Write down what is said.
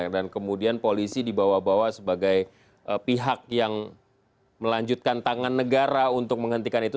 dan kemudian polisi dibawa bawa sebagai pihak yang melanjutkan tangan negara untuk menghentikan itu